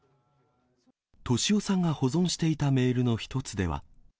俊夫さんが保存していたメールの一つでは。